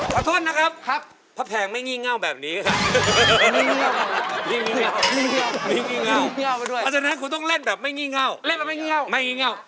ขอโทษนะครับพะแพงไม่เงี่ยงเง่าแบบนี้ค่ะมีเง่ามาแล้ว